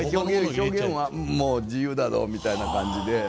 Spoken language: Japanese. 表現はもう自由だぞみたいな感じで。